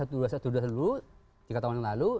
dua belas dua belas tiga tahun yang lalu